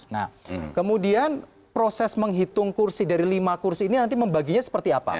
nah kemudian proses menghitung kursi dari lima kursi ini nanti membaginya seperti apa